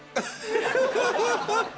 ハハハハ！